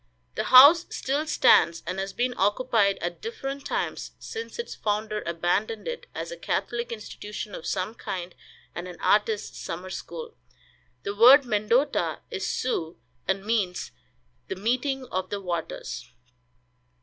The house still stands, and has been occupied at different times since its founder abandoned it as a Catholic institution of some kind and an artists' summer school. The word Mendota is Sioux, and means "The meeting of the waters."